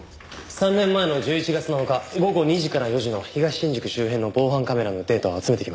３年前の１１月７日午後２時から４時の東新宿周辺の防犯カメラのデータを集めてきました。